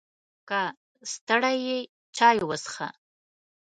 که ستړی یې، چای وڅښه!